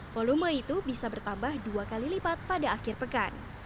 volume itu bisa bertambah dua kali lipat pada akhir pekan